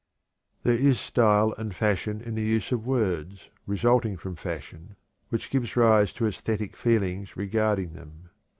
There is style and fashion in the use of words, resulting from fashion, which gives rise to æsthetic feelings regarding them.